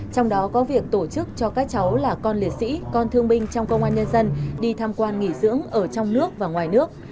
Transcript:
trong đó có việc tổ chức cho các cháu là con liệt sĩ con thương binh trong công an nhân dân đi tham quan nghỉ dưỡng ở trong nước và ngoài nước